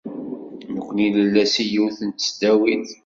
Nekkni nella seg yiwet n tesdawit.